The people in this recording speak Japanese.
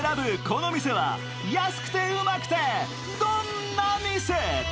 この店は安くてウマくてどんな店？